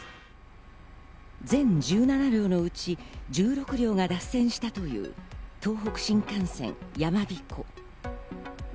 全１７両のうち１６両が脱線したという東北新幹線やまびこ。